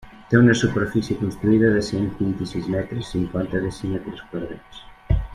Té una superfície construïda de cent vint-i-sis metres, cinquanta decímetres quadrats.